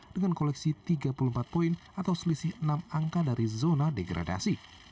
dengan koleksi tiga puluh empat poin atau selisih enam angka dari zona degradasi